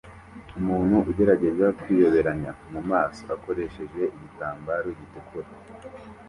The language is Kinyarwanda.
Umuntu ugerageza kwiyoberanya mumaso akoresheje igitambaro gitukura